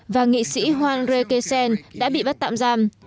và nghị sĩ juan requesen đã bị bắt tạm giam